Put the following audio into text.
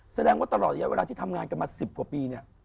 แสดงว่าตลอดระยะเวลาที่ทำงานกันมา๑๐กว่าปีเนี่ย